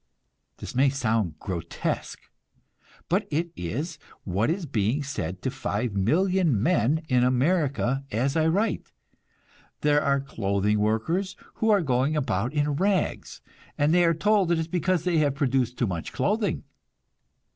This may sound grotesque, but it is what is being said to 5,000,000 men in America as I write. There are clothing workers who are going about in rags, and they are told it is because they have produced too much clothing.